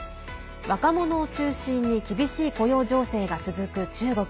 若者を中心に厳しい雇用情勢が続く中国。